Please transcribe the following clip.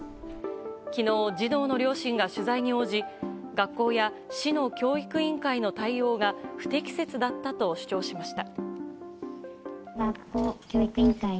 きのう児童の両親が取材に応じ、学校や市の教育委員会の対応が不適切だったと主張しました。